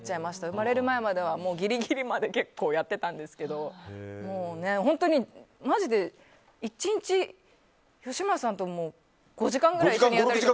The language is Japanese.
生まれる前まではギリギリまで結構、やってたんですけどマジで１日、吉村さんとも５時間くらいやってたり。